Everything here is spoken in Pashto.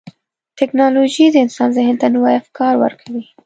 ټکنالوجي د انسان ذهن ته نوي افکار ورکوي.